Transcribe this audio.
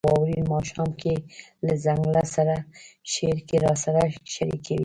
« په واورین ماښام کې له ځنګله سره» شعر کې راسره شریکوي: